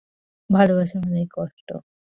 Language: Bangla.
ভালোবাসা মানেই কষ্ট।